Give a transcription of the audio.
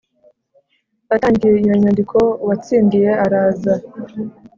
atangiye iyo nyandiko Uwatsindiye araza